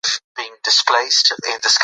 ټول واکسینونه د نړیوال معیارونو سره سم دي.